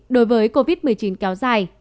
đối với covid một mươi chín kéo dài